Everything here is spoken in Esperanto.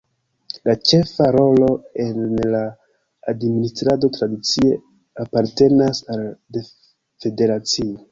La ĉefa rolo en la administrado tradicie apartenas al la federacio.